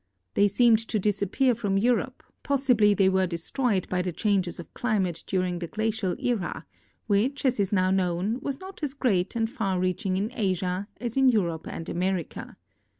They seemed to disappear from Europe ; possil)ly they were destroyed b^' the changes of climate during the glacial era, which, as is now known, was not as great and far reaching in Asia as in Europe and America.